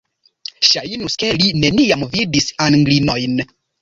Ŝajnus, ke li neniam vidis Anglinojn!